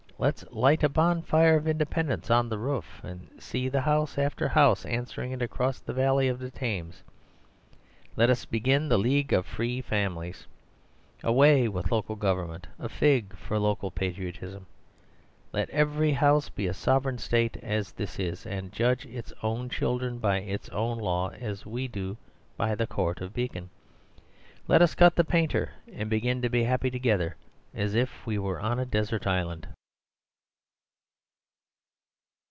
Let's light a bonfire of independence on the roof, and see house after house answering it across the valley of the Thames! Let us begin the League of the Free Families! Away with Local Government! A fig for Local Patriotism! Let every house be a sovereign state as this is, and judge its own children by its own law, as we do by the Court of Beacon. Let us cut the painter, and begin to be happy together, as if we were on a desert island."